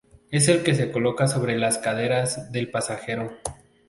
Es el que se coloca sobre las caderas del pasajero.